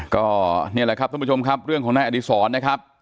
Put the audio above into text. ก็เนี่ยแหละครับทุกผู้ชมครับเรื่องของนักอดีตสอนนะครับ